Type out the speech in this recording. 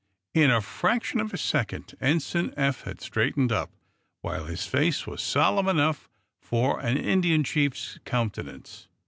In a fraction of a second Ensign Eph had straightened up, while his face was solemn enough for an Indian chief's countenance.